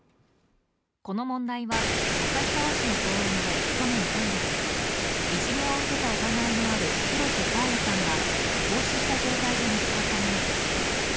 この問題は、旭川市の公園で去年３月、いじめを受けた疑いのある廣瀬爽彩さんが凍死した状態で見つかったものです。